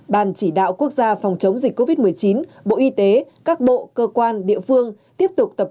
ban chỉ đạo quốc gia phòng chống dịch covid một mươi chín bộ y tế các bộ cơ quan địa phương tiếp tục tập